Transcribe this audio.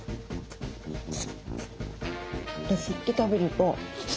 吸って食べると。